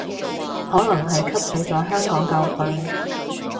可能係汲取咗香港教訓